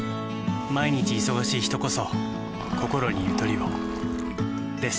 毎日忙しい人こそこころにゆとりをです。